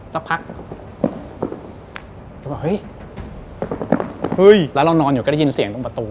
สักพักแล้วเรานอนอยู่ก็ได้ยินเสียงตรงประตู